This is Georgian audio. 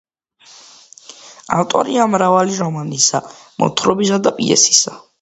ავტორია მრავალი რომანისა, მოთხრობისა და პიესისა.